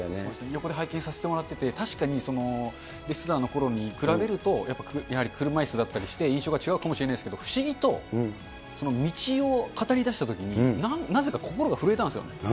横で拝見させてもらってて、確かに、レスラーのころに比べると、やはり車いすだったりして、印象が違うかもしれないですけど、不思議と道を語りだしたときに、なぜか心が震えたんですよね。